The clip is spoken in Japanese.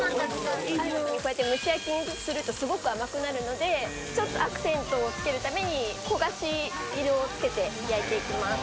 こうやって蒸し焼きにすると、すごく甘くなるので、ちょっとアクセントをつけるために、焦がし色をつけて焼いていきます。